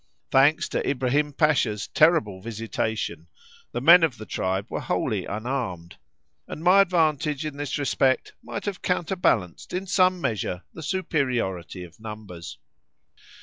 Thanks to Ibrahim Pasha's terrible visitation the men of the tribe were wholly unarmed, and my advantage in this respect might have counterbalanced in some measure the superiority of numbers.